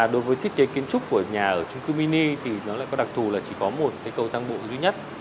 đối với thiết kế kiến trúc của nhà ở trung cư mini thì nó lại có đặc thù là chỉ có một cái cầu thang bộ duy nhất